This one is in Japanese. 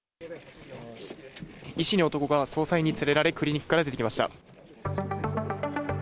医師の男が捜査員に連れられ、クリニックから出てきました。